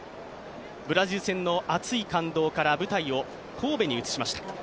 ブラジル戦の熱い感動から舞台を神戸に移しました。